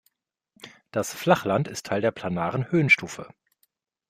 Das Flachland ist Teil der planaren Höhenstufe.